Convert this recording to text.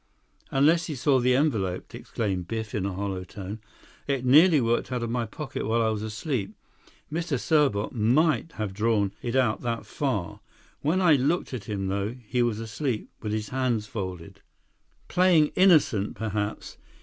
"Unless he saw the envelope," exclaimed Biff in a hollow tone. "It nearly worked out of my pocket while I was asleep. Mr. Serbot might have drawn it out that far. When I looked at him, though, he was asleep, with his hands folded." "Playing innocent, perhaps.